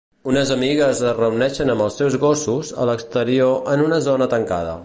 Unes amigues es reuneixen amb els seus gossos a l'exterior en una zona tancada.